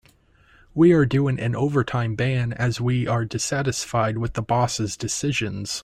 We are doing an overtime ban as we are dissatisfied with the boss' decisions.